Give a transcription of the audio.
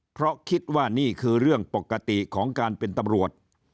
เพราะคิดว่านี่คือเรื่องปกติของการเป็นตำรวจ